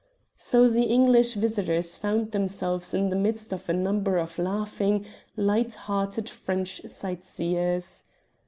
So the English visitors found themselves in the midst of a number of laughing, light hearted French sightseers.